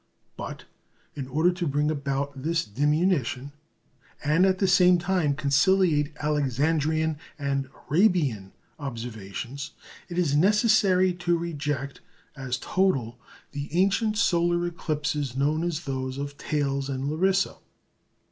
But, in order to bring about this diminution, and at the same time conciliate Alexandrian and Arabian observations, it is necessary to reject as total the ancient solar eclipses known as those of Thales and Larissa.